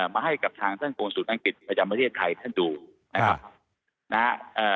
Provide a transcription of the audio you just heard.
มาให้กับทางสร้างกงสูตรอังกฤษประเทศไทยท่านดูนะครับ